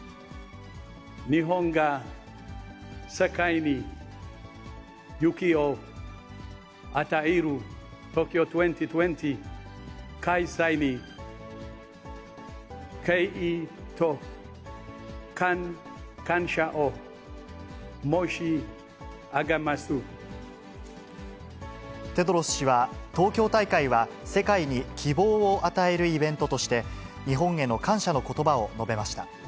日本が世界に勇気を与える東京２０２０開催に、テドロス氏は、東京大会は世界に希望を与えるイベントとして、日本への感謝のことばを述べました。